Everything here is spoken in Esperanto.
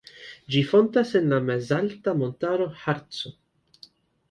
Ĝi fontas en la mezalta montaro Harco.